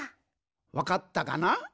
わかったかな？